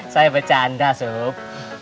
saya bercanda sub